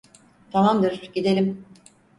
Tamamdır, gidelim.